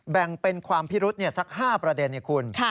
แบ่งเป็นความพิรุษสัก๕ประเด็นให้คุณ